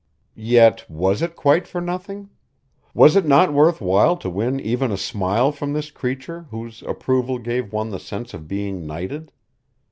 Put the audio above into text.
Yet was it quite for nothing? Was it not worth while to win even a smile from this creature whose approval gave one the sense of being knighted?